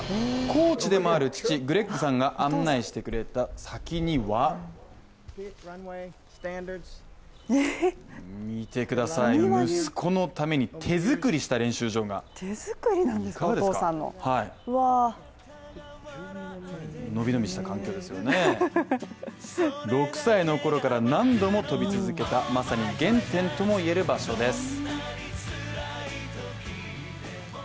コーチでもある父グレッグさんが案内してくれた先には、見てください息子のために手作りした練習場が６歳の頃から何度も飛び続けた、まさに原点とも言える場所です。